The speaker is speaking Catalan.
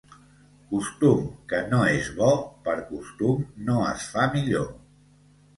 Costum que no és bo, per costum no es fa millor.